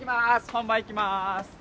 本番いきまーす